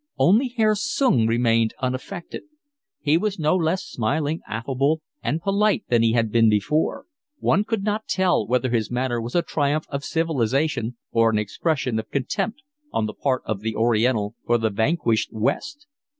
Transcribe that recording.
Only Herr Sung remained unaffected; he was no less smiling, affable, and polite than he had been before: one could not tell whether his manner was a triumph of civilisation or an expression of contempt on the part of the Oriental for the vanquished West.